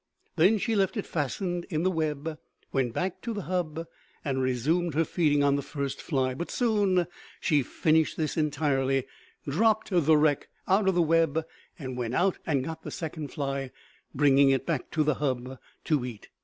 Then she left it fastened in the web, went back to the hub, and resumed her feeding on the first fly. But soon she finished this entirely, dropped the wreck out of the web and went out and got the second fly, bringing it back to the hub to eat.